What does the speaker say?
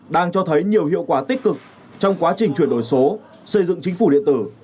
đang cho thấy nhiều hiệu quả tích cực trong quá trình chuyển đổi số xây dựng chính phủ điện tử